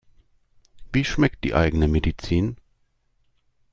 Wie schmeckt die eigene Medizin?